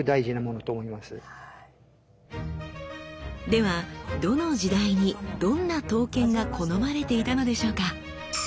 ではどの時代にどんな刀剣が好まれていたのでしょうか？